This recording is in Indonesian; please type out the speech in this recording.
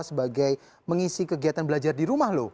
sebagai mengisi kegiatan belajar di rumah loh